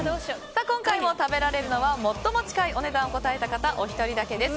今回も食べられるのは最も近いお値段を答えた方お一人だけです。